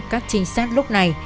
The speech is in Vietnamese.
các trinh sát lúc này